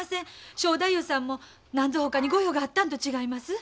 正太夫さんも何ぞほかにご用があったんと違います？